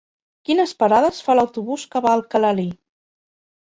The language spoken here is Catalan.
Quines parades fa l'autobús que va a Alcalalí?